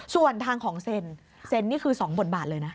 ส่วนทางของเซ็นเซ็นนี่คือ๒บทบาทเลยนะ